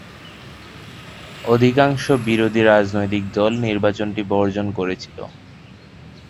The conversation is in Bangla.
অধিকাংশ বিরোধী রাজনৈতিক দল নির্বাচনটি বর্জন করেছিল।